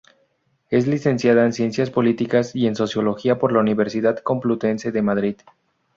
Es licenciada en Ciencias Políticas y en Sociología por la Universidad Complutense de Madrid.